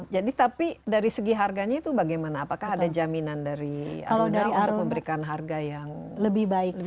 tapi dari segi harganya itu bagaimana apakah ada jaminan dari anda untuk memberikan harga yang lebih baik